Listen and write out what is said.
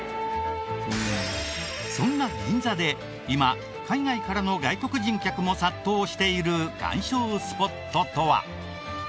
そんな銀座で今海外からの外国人客も殺到している鑑賞スポットとは。